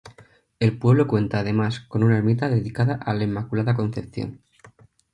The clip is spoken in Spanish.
El pueblo cuenta además con una ermita dedicada a la Inmaculada Concepción.